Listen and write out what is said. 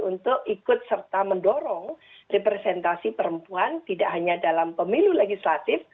untuk ikut serta mendorong representasi perempuan tidak hanya dalam pemilu legislatif